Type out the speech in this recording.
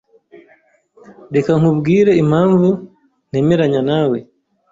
Reka nkubwire impamvu ntemeranya nawe.